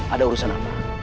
ada urusan apa